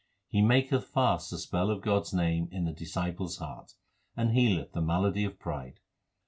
He maketh fast the spell of God s name in the disciples heart, and healeth the malady of pride.